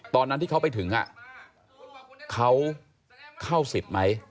ตอนนั้นที่เขาไปถึงเขาเข้าสิทธิ์ไหม